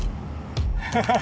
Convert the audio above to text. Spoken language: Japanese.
ハハハハ。